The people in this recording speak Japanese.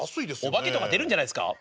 お化けとか出るんじゃないですか？